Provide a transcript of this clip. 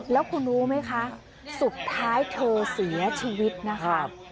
แล้วคุณรู้ไหมคะสุดท้ายเธอเสียชีวิตนะครับ